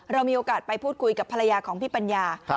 เรามีโอกาสไปพูดคุยกับภรรยาของพี่ปัญญา